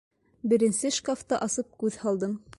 Беренсе шкафты асып күҙ һалдым.